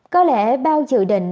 có lẽ bao dự định